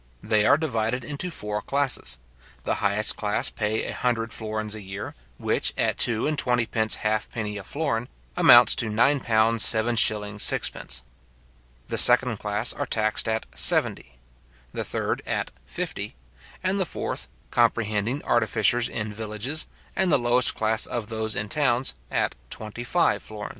They are divided into four classes. The highest class pay a hundred florins a year, which, at two and twenty pence half penny a florin, amounts to £9:7:6. The second class are taxed at seventy; the third at fifty; and the fourth, comprehending artificers in villages, and the lowest class of those in towns, at twenty five florins.